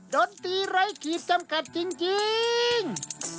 ดนตรีไร้ขีดจำกัดจริง